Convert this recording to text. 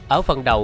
ở phần đầu